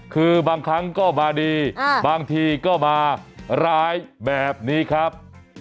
คือบางครั้งก็มาดีบางทีก็มาร้ายแบบนี้ครับ